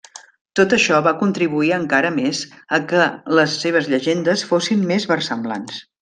Tot això va contribuir encara més a què les seves llegendes fossin més versemblants.